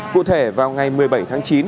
cụ thể vào ngày một mươi bảy tháng chín